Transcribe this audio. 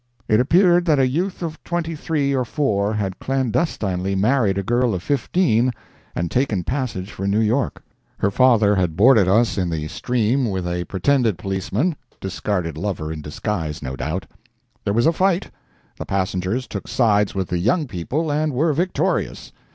It appeared that a youth of twenty three or four had clandestinely married a girl of fifteen, and taken passage for New York. Her father had boarded us in the stream with a pretended policeman, (discarded lover in disguise, no doubt). There was a fight; the passengers took sides with the young couple and were victorious.